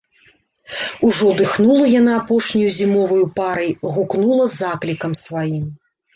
Ужо дыхнула яна апошняю зімоваю парай, гукнула заклікам сваім.